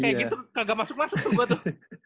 kayak gitu nggak masuk masuk tuh gua truh